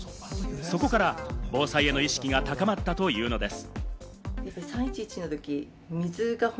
そこから防災への意識が高まったというのです。